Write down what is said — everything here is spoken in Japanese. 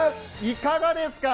いかがですか？